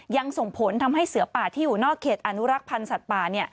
ยังส่งผลทำให้เสือป่าที่อยู่นอกเขตอนุรักษ์พันธ์สัตว์ป่า